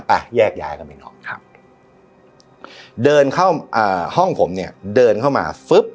ไปแยกย้ายกันไปนอกครับเดินเข้าอ่าห้องผมเนี้ยเดินเข้ามา